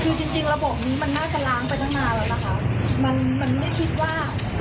คือจริงจริงระบบนี้มันน่าจะล้างไปตั้งนานแล้วนะคะมันมันไม่คิดว่า